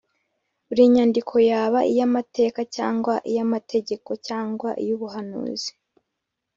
buri nyandiko, yaba iy’amateka, cyangwa iy’amategeko, cyangwa iy’ubuhanuzi